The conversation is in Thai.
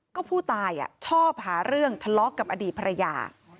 ก็ผู้ตายชอบหาเรื่องทะเลาะกับอดีตภรรยา